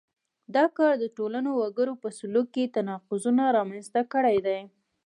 دا کار د ټولنو وګړو په سلوک کې تناقضونه رامنځته کړي دي.